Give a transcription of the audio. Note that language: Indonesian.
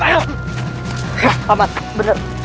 pak man bener